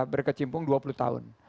berkecimpung dua puluh tahun